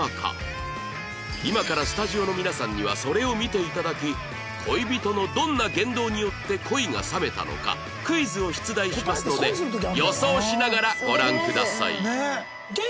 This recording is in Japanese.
今からスタジオの皆さんにはそれを見て頂き恋人のどんな言動によって恋が冷めたのかクイズを出題しますので予想しながらご覧ください